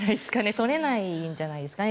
取れないんじゃないですかね。